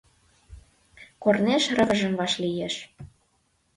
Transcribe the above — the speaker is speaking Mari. Корнеш рывыжым вашлиеш.